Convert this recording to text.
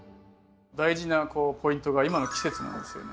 大事なポイントが今の季節なんですよね。